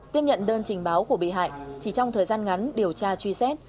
tiếp nhận đơn trình báo của bị hại chỉ trong thời gian ngắn điều tra truy xét